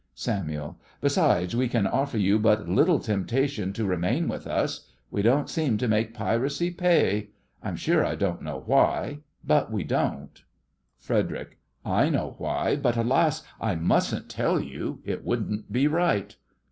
SAMUEL: Besides, we can offer you but little temptation to remain with us. We don't seem to make piracy pay. I'm sure I don't know why, but we don't. FREDERIC: I know why, but, alas! I mustn't tell you; it wouldn't be right.